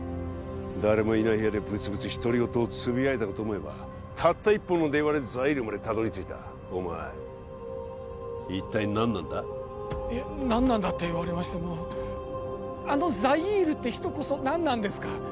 誰もいない部屋でブツブツ独り言をつぶやいたかと思えばたった一本の電話でザイールまでたどり着いたお前一体何なんだえっ何なんだって言われましてもあのザイールって人こそ何なんですか？